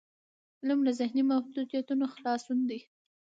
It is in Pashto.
علم له ذهني محدودیتونو خلاصون دی.